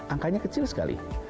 angkanya kecil sekali